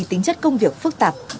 tính chất công việc phức tạp